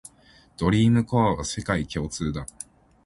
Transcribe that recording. ドリームコアは世界共通だ